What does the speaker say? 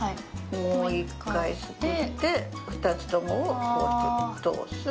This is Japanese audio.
もう１回すくって２つともをこうして通す。